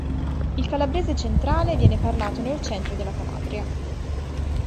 Il calabrese centrale viene parlato nel centro della Calabria.